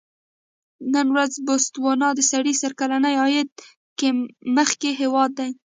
نن ورځ بوتسوانا د سړي سر کلني عاید کې مخکې هېواد دی.